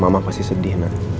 mama pasti sedih ma